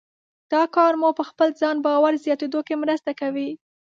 دا کار مو په خپل ځان باور زیاتېدو کې مرسته کوي.